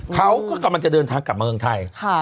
เขาก็กำลังจะเดินทางกลับมาเมืองไทย